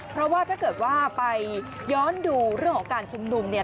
เพราะว่าถ้าเกิดว่าไปย้อนดูเรื่องของการชุมนุมเนี่ย